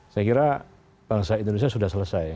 saya kira bangsa indonesia sudah selesai